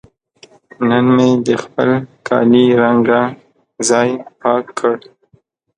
نن مې د خپل کالي رنګه ځای پاک کړ.